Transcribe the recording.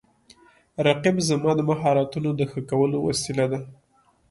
رقیب زما د مهارتونو د ښه کولو وسیله ده